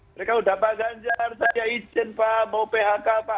mereka sudah pak ganjar saya izin pak mau phk pak